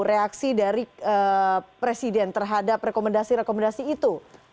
reaksi dari presiden terhadap rekomendasi rekomendasi itu